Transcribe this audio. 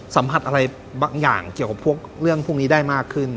สัมผัสอะไรบางอย่างเกี่ยวกับพวกเรื่องพวกนี้ได้มากขึ้น